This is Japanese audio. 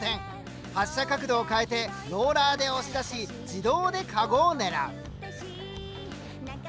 発射角度を変えてローラーで押し出し自動でカゴを狙う。